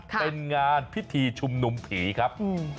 เป็นงานพิธีชุมนุมผีครับ